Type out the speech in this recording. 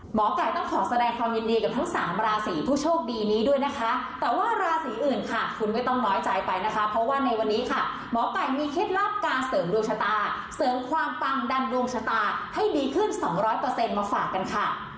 หมอไก่ต้องขอแสดงความยินดีกับทั้งสามราศีผู้โชคดีนี้ด้วยนะคะแต่ว่าราศีอื่นค่ะคุณไม่ต้องน้อยใจไปนะคะเพราะว่าในวันนี้ค่ะหมอไก่มีเคล็ดลับการเสริมดวงชะตาเสริมความปังดันดวงชะตาให้ดีขึ้น๒๐๐มาฝากกันค่ะ